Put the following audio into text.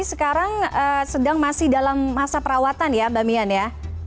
oke sepertinya sudah sedang masih dalam masa perawatan ya mbak mian ya